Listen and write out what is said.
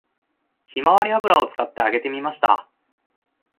ひまわり油を使って揚げてみました